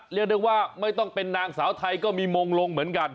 เรียกได้ว่าไม่ต้องเป็นนางสาวไทยก็มีมงลงเหมือนกัน